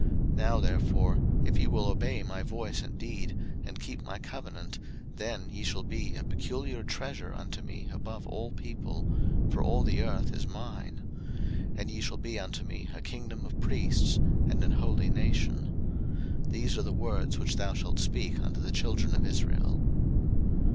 02:019:005 Now therefore, if ye will obey my voice indeed, and keep my covenant, then ye shall be a peculiar treasure unto me above all people: for all the earth is mine: 02:019:006 And ye shall be unto me a kingdom of priests, and an holy nation. These are the words which thou shalt speak unto the children of Israel.